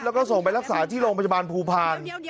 แล้วก็ส่งไปรักษาที่โรงพยาบาลภูพาล